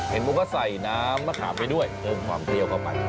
เห็นบอกว่าใส่น้ำมะขามไปด้วยเพิ่มความเปรี้ยวเข้าไป